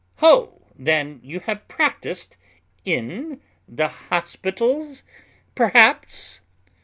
"Ho! then you have practised in the hospitals perhaps?"